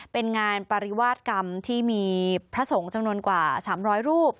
เป็นงานปริวาสกรรมที่มีพระสงฆ์จำนวนกว่า๓๐๐รูป